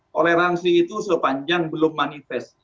toleransi itu sepanjang belum manifest